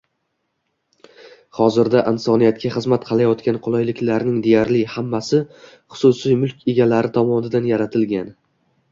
Hozirda insoniyatga xizmat qilayotgan qulayliklarning deyarli hammasi xususiy mulk egalari tomonidan yaratilgan.